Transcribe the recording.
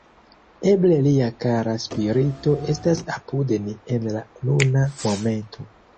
Eble lia kara spirito estas apud ni en la nuna momento.